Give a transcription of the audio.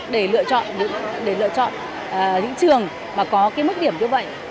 để lựa chọn những trường mà có cái mức điểm như vậy